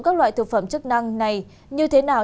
các loại thực phẩm chức năng này như thế nào